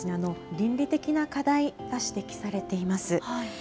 倫理的な課題が指摘されています。